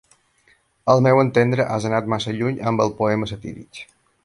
Al meu entendre has anat massa lluny amb el poema satíric.